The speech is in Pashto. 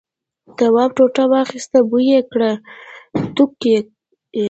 تواب ټوټه واخیسته بوی یې کړ توک یې.